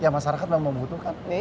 masyarakat memang membutuhkan